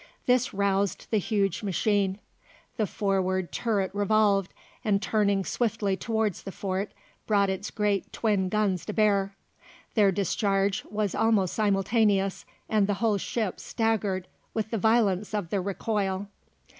This roused the huge machine; the forward turret revolved and, turning swiftly towards the fort, brought its great twin guns to bear. Their discharge was almost simultaneous, and the whole ship staggered with the violence of the recoil.